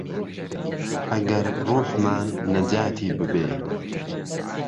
ئهگهر رووحمان نهجاتی ببێ